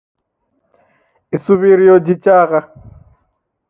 Isuw'irio jichagha.